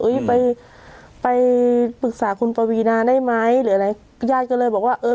ไปไปปรึกษาคุณปวีนาได้ไหมหรืออะไรญาติก็เลยบอกว่าเออ